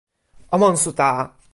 o monsuta!